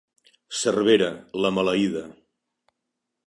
Cervera, la maleïda.